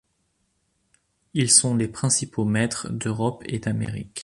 Ils sont les principaux maîtres d'Europe et d'Amérique.